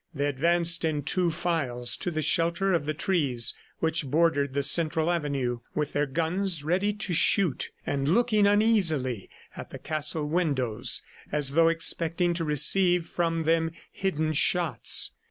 They advanced in two files to the shelter of the trees which bordered the central avenue, with their guns ready to shoot, and looking uneasily at the castle windows as though expecting to receive from them hidden shots.